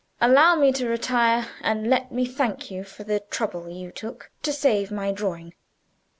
Allow me to retire and let me thank you for the trouble you took to save my drawing."